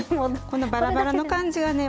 このバラバラの感じがね